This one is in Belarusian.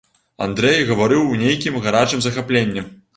Андрэй гаварыў у нейкім гарачым захапленні.